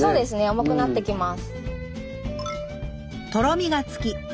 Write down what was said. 重くなってきます。